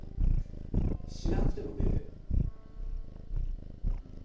しなくても出てる。